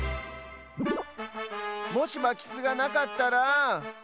もしまきすがなかったら。